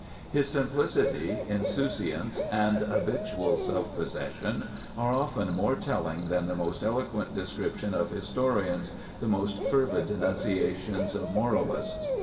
His simplicity, insouciance, and habitual self possession are often more telling than the most eloquent descriptions of historians, the most fervid denunciations of moralists.